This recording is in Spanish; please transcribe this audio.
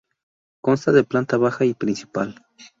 Consta de planta baja y principal.